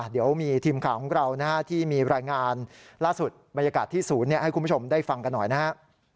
เดี๋ยวมีทีมข่าวของเราที่มีรายงานล่าสุดบรรยากาศที่ศูนย์ให้คุณผู้ชมได้ฟังกันหน่อยนะฮะ